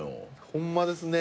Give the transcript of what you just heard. ホンマですね。